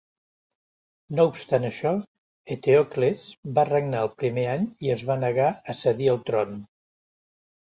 No obstant això, Eteocles va regnar el primer any i es va negar a cedir el tron.